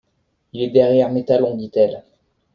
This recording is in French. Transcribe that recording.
Il est derrière mes talons, dit-elle.